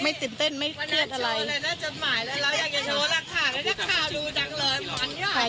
ไม่ติดเต้นไม่เครียดอะไร